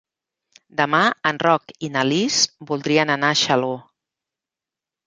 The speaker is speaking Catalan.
Demà en Roc i na Lis voldrien anar a Xaló.